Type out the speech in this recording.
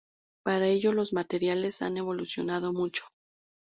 Para ello los materiales han evolucionado mucho.